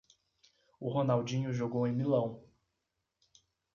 O Ronaldinho jogou em Milão.